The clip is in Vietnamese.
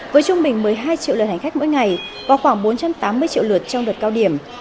với trung bình một mươi hai triệu lượt hành khách mỗi ngày và khoảng bốn trăm tám mươi triệu lượt trong đợt cao điểm